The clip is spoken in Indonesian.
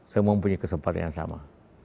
semua mempunyai kesempatan yang sama